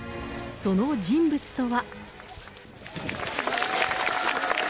その人物とは。